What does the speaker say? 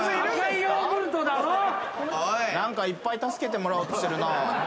いっぱい助けてもらおうとしてるな。